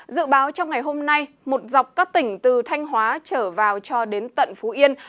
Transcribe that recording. dự báo trong ngày hôm nay một dọc các tỉnh từ thanh hóa trở vào cho đến tận phú yên